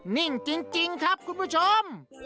นิ่งจริงครับคุณผู้ชม